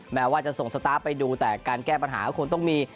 แม้ว่าจะส่งสตาร์ฟไปดูแต่การแก้ปัญหาก็คงต้องมี